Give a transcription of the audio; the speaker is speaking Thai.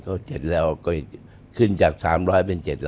ก็ขึ้นจาก๓๐๐เป็น๗๐๐